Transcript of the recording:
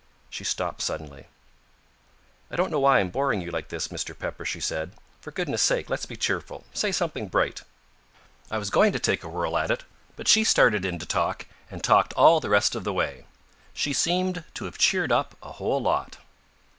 She stopped suddenly. "I don't know why I'm boring you like this, Mr. Pepper," she said. "For goodness' sake let's be cheerful. Say something bright." I was going to take a whirl at it, but she started in to talk, and talked all the rest of the way. She seemed to have cheered up a whole lot.